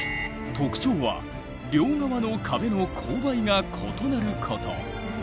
特徴は両側の壁の勾配が異なること。